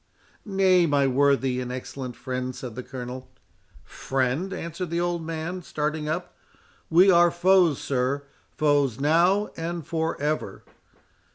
"Nay, my worthy and excellent friend," said the Colonel— "Friend!" answered the old man, starting up—"We are foes, sir—foes now, and for ever!"